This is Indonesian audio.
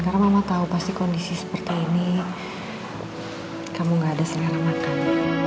karena mama tau pasti kondisi seperti ini kamu gak ada selera makan